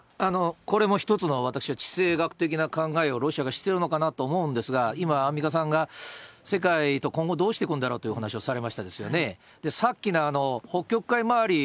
これも一つの、私は地政学的な考えをロシアがしてるのかなと思うんですが、今、アンミカさんが世界と今後どうしていくんだろうというお話をされましたですよね。